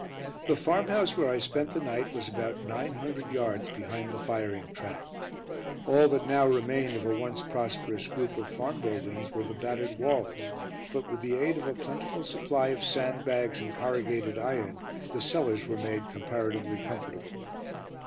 The farm house where I spent the night was about nine hundred yards behind the firing track. All that now remained of a once prosperous group of farm buildings were the battered walls, but with the aid of a plentiful supply of sandbags and corrugated iron the cellars were made comparatively comfortable.